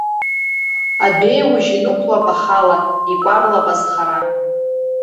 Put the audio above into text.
Адәеиужь инықәлап ахала, икәарлап азхара.